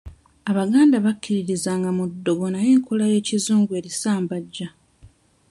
Abaganda bakkiririzanga mu ddogo naye enkola y'ekizungu erisambajja.